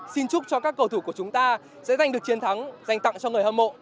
xin chúc cho các cầu thủ của chúng ta sẽ giành được chiến thắng dành tặng cho người hâm mộ